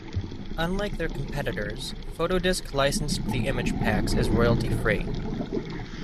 Unlike their competitors, Photodisc licensed the image packs as Royalty Free.